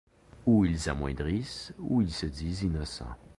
Ou ils amoindrissent, ou ils se disent innocents.